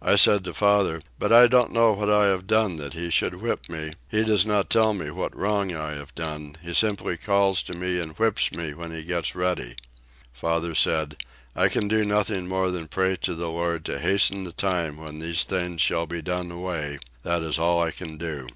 I said to father, "But I don't know what I have done that he should whip me; he does not tell me what wrong I have done, he simply calls me to him and whips me when he gets ready." Father said, "I can do nothing more than to pray to the Lord to hasten the time when these things shall be done away; that is all I can do."